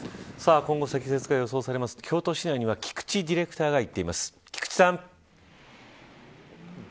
今後積雪が予想される京都市内には菊池ディレクターが行っています。